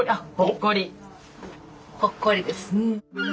ほっこりです。